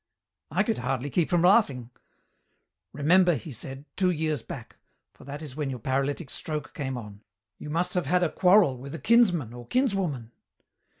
"I could hardly keep from laughing. "'Remember,' he said,'two years back, for that is when your paralytic stroke came on. You must have had a quarrel with a kinsman or kinswoman?'